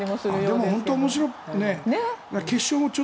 でも本当に面白いね。